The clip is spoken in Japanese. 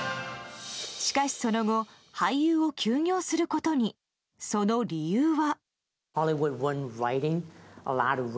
しかし、その後俳優を休業することにその理由は。